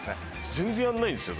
全然やんないんすよ。